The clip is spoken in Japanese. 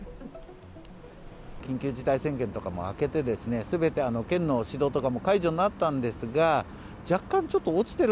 緊急事態宣言とかも明けてですね、すべて県の指導とかも解除になったんですが、若干ちょっと、落ちてる。